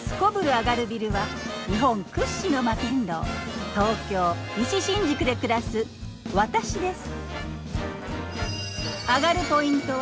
アガるビルは日本屈指の摩天楼東京・西新宿で暮らす私です。